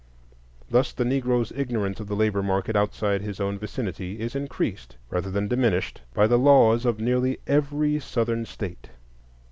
Thus the Negroes' ignorance of the labor market outside his own vicinity is increased rather than diminished by the laws of nearly every Southern State.